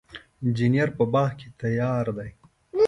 انجیر په باغ کې تیار دی.